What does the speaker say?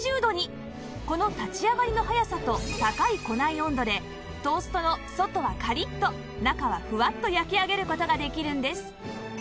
この立ち上がりの早さと高い庫内温度でトーストの外はカリッと中はフワッと焼き上げる事ができるんです